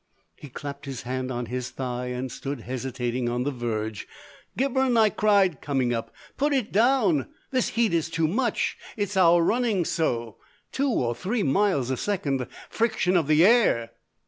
He clapped his hand on his thigh and stood hesitating on the verge. "Gibberne," I cried, coming up, "put it down. This heat is too much! It's our running so! Two or three miles a second! Friction of the air!"